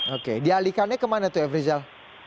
oke dialihkannya kemana tuh efri zal